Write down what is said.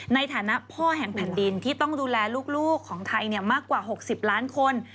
ในฐานะพ่อแห่งแผ่นดินที่ต้องดูแลลูกของไทยมากกว่า๖๐ล้านคน